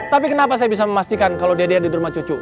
tapi kenapa saya bisa memastikan kalo dede ada di rumah cucu